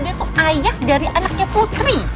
dia tuh ayah dari anaknya putri